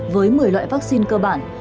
với một mươi loại vaccine cơ bản